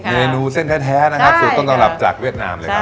เมนูเส้นแท้ศูนย์ต้นตำรับจากเวียดนามเลยครับผม